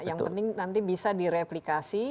yang penting nanti bisa direplikasi